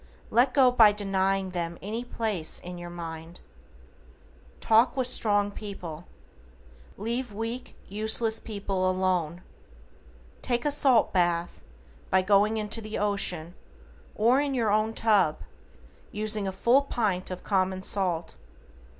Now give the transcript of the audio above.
Let go by denying them any place in your mind. TALK WITH STRONG PEOPLE. Leave weak, useless people alone. Take a salt bath, by going into the ocean, or in your own tub, using a full pint of common salt.